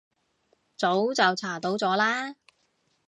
早就查到咗啦